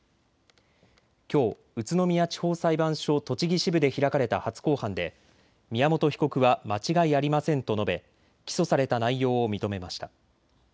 きょう宇都宮地方裁判所栃木支部で開かれた初公判で宮本被告は間違いありませんと述べ起訴された内容を認めました。